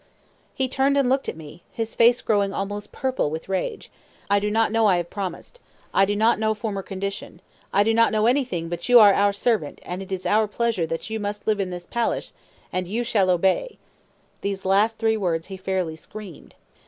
He turned and looked at me, his face growing almost purple with rage. "I do not know I have promised. I do not know former condition. I do not know anything but you are our servant; and it is our pleasure that you must live in this palace, and you shall obey." Those last three words he fairly screamed.